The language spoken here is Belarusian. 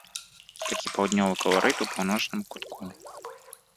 Такі паўднёвы каларыт у паўночным кутку.